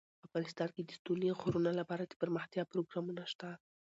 افغانستان کې د ستوني غرونه لپاره دپرمختیا پروګرامونه شته.